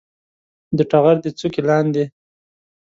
د ټغر د څوکې لاندې